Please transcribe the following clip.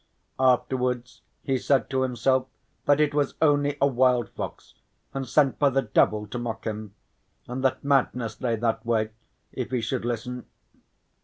Afterwards he said to himself that it was only a wild fox and sent by the devil to mock him, and that madness lay that way if he should listen.